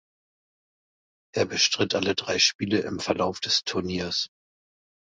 Er bestritt alle drei Spiele im Verlauf des Turniers.